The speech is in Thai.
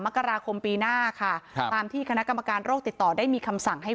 มกราคมปีหน้าค่ะครับตามที่คณะกรรมการโรคติดต่อได้มีคำสั่งให้